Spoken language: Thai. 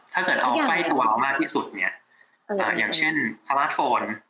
ถ้าเกิดเอาใกล้ตัวเรามากที่สุดเนี่ยอย่างเช่นสมาร์ทโฟน